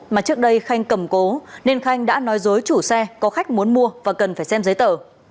mà trước đây khanh cầm cố nên khanh đã nói dối chủ xe có khách muốn mua và cần phải xem giấy tờ